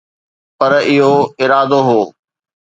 پر اهو ارادو هو.